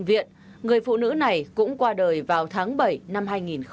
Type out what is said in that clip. trong bệnh viện người phụ nữ này cũng qua đời vào tháng bảy năm hai nghìn hai mươi ba